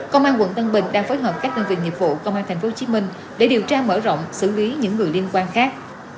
công an quận tân bình đang phối hợp các đơn vị nghiệp vụ công an tp hcm để điều tra mở rộng xử lý những người liên quan khác